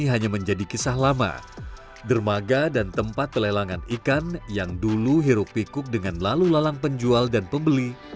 hanya menjadi kisah lama dermaga dan tempat pelelangan ikan yang dulu hiruk pikuk dengan lalu lalang penjual dan pembeli